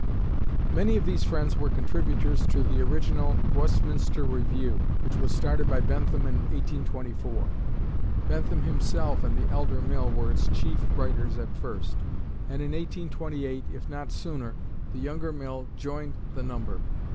Many of these friends were contributors to the original "Westminster Review," which was started by Bentham in 1824. Bentham himself and the elder Mill were its chief writers at first; and in 1828, if not sooner, the younger Mill joined the number.